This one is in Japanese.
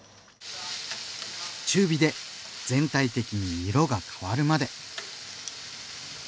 中火で全体的に色が変わるまで。